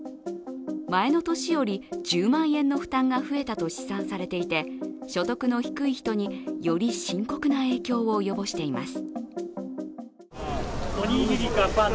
前の年より１０万円の負担が増えたと試算されていて所得の低い人により深刻な影響を及ぼしています。